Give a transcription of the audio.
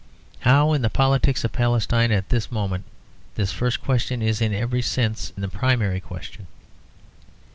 How in the politics of Palestine at this moment this first question is in every sense the primary question.